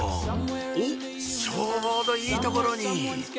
おっちょうどいい所に！